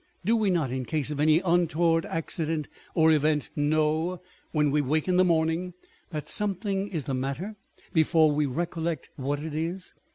Do we not, in case of any untoward accident or event, know, when we wake in the morning, that something is the matter, before we recollect what it is?